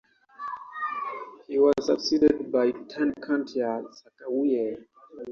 He was succeeded by Tani Cantil-Sakauye.